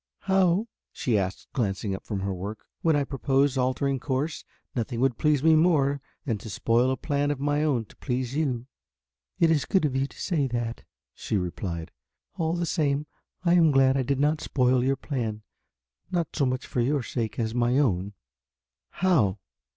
"How?" she asked, glancing up from her work. "When I proposed altering the course. Nothing would please me more than to spoil a plan of my own to please you." "It is good of you to say that," she replied, "all the same I am glad I did not spoil your plan, not so much for your sake as my own." "How?"